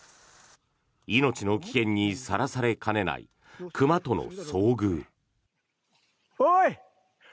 命の危険にさらされかねない熊との遭遇。